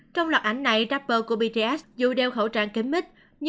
trong lọt ảnh này rapper của bts dù đeo khẩu trang kém mít